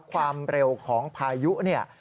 ความเร็วของพายุเนี่ย